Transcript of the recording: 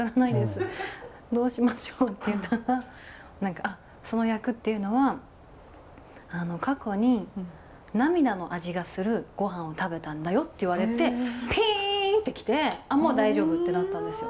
どうしましょう」って言ったら「その役っていうのは過去に涙の味がするごはんを食べたんだよ」って言われてピンって来てもう大丈夫ってなったんですよ。